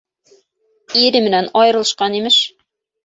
Ире менән айырылышҡан, имеш?!